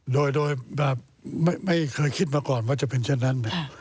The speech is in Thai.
โดยแบบไม่เคยคิดมาก่อนว่าจะเป็นเช่นนั้น